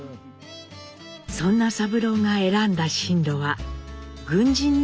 そんな三郎が選んだ進路は軍人になることでした。